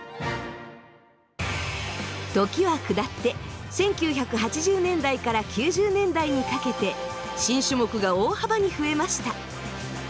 時は下って１９８０年代から９０年代にかけて新種目が大幅に増えました。